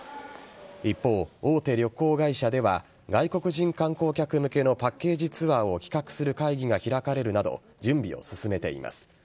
一方、大手旅行会社では外国人観光客向けのパッケージツアーを企画する会議が開かれるなど準備を進めています。